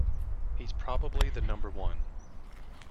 He's probably the number one.